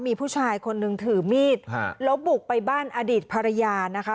มีผู้ชายคนนึงถือมีดแล้วบุกไปบ้านอดีตภรรยานะคะ